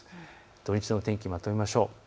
土日の天気、まとめましょう。